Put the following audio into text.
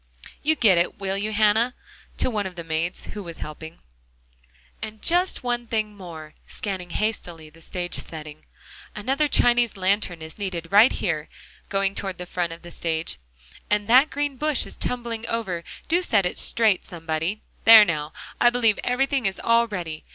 You get it, will you, Hannah?" to one of the maids who was helping. "And just one thing more," scanning hastily the stage setting, "another Chinese lantern is needed right here," going toward the front of the stage, "and that green bush is tumbling over; do set it straight, somebody; there now, I believe everything is all ready.